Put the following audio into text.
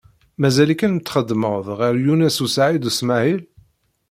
Mazal-ikem txeddmeḍ ɣer Yunes u Saɛid u Smaɛil?